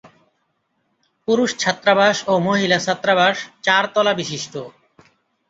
পুরুষ ছাত্রাবাস ও মহিলা ছাত্রাবাস চারতলা বিশিষ্ট।